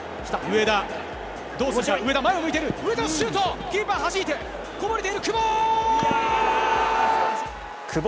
上田のシュート、キーパーはじいて、こぼれている、久保！